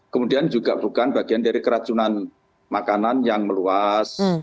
kemudian juga bukan bagian dari keracunan makanan yang meluas